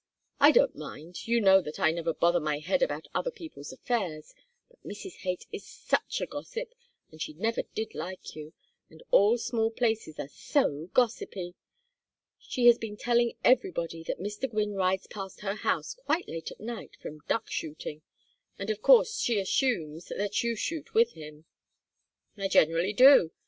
I don't mind; you know that I never bother my head about other people's affairs, but Mrs. Haight is such a gossip, and she never did like you, and all small places are so gossipy. She has been telling everybody that Mr. Gwynne rides past her house quite late at night from duck shooting, and of course she assumes that you shoot with him." "I generally do.